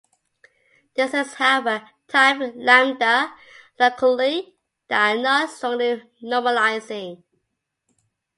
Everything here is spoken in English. There exist, however, typed lambda calculi that are not strongly normalizing.